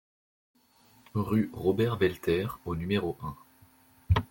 Rue Robert Velter au numéro un